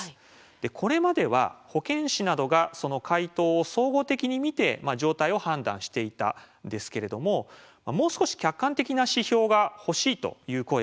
これまでは保健師などがその回答を総合的に見て状態を判断していたんですけれどももう少し客観的な指標が欲しいという声が上がっていました。